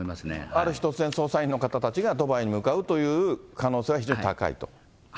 ある日突然、捜査員の方々がドバイに向かうという可能性は非はい。